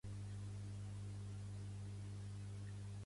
Què hi ha al carrer Jesús i Maria cantonada Munner?